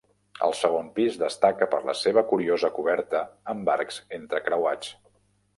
El segon pis destaca per la seva curiosa coberta amb arcs entrecreuats.